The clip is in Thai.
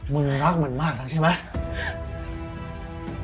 มึงไงรักมันมากแล้วใช่ไหม